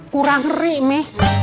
kurang ri mi